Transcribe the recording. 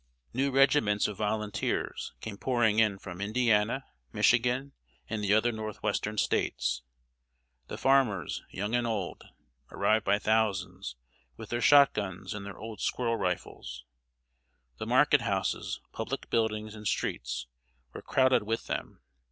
New regiments of volunteers came pouring in from Indiana, Michigan, and the other Northwestern States. The farmers, young and old, arrived by thousands, with their shot guns and their old squirrel rifles. The market houses, public buildings, and streets, were crowded with them.